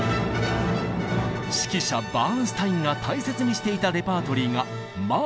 指揮者バーンスタインが大切にしていたレパートリーがマーラー。